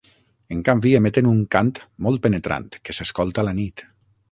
En canvi, emeten un cant molt penetrant, que s'escolta a la nit.